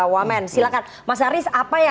wamen silakan mas haris apa yang